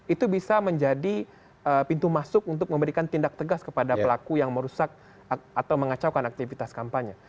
itu bisa menjadi pintu masuk untuk memberikan tindak tegas kepada pelaku yang merusak atau mengacaukan aktivitas kampanye